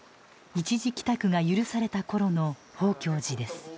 一時帰宅が許されたころの宝鏡寺です。